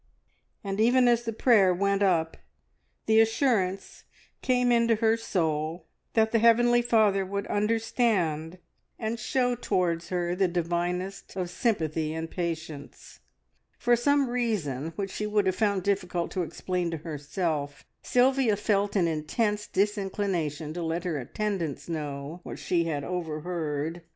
and even as the prayer went up, the assurance came into her soul that the Heavenly Father would understand, and show towards her the divinest of sympathy and patience. For some reason which she would have found difficult to explain to herself Sylvia felt an intense disinclination to let her attendants know what she had overheard.